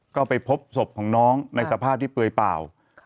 ก็ไปพบศพของน้องในสภาพที่เปลือยเปล่า